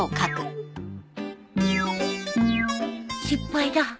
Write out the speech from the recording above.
失敗だ。